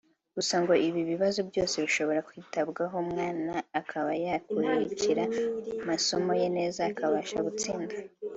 Gusa ngo ibi bibazo byose bishobora kwitabwaho umwana akaba yakurikira amasomo ye neza akabasha gutsinda